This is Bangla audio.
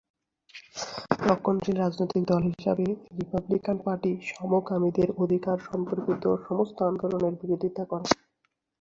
রক্ষণশীল রাজনৈতিক দল হিসেবে রিপাবলিকান পার্টি সমকামীদের অধিকার সম্পর্কিত সমস্ত আন্দোলনের বিরোধিতা করে।